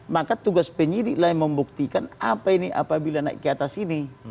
maka tugas penyidik lah yang membuktikan apa ini apabila naik ke atas ini